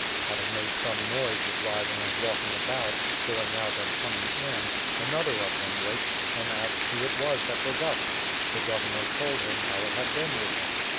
Having made some noise with rising and walking about, going out and coming in, another of them waked, and asked who it was that was up. The governor told him how it had been with him.